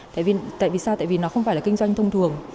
tại vì sao tại vì nó không phải là kinh doanh thông thường